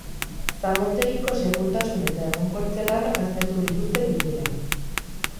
Zabortegiko segurtasun eta egonkortze lanak aztertu dituzte bileran.